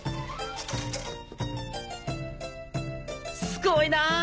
すごいな。